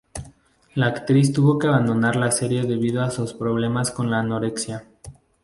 La actriz tuvo que abandonar la serie debido a sus problemas con la anorexia.